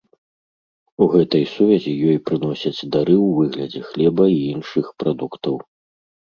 У гэтай сувязі ёй прыносяць дары ў выглядзе хлеба і іншых прадуктаў.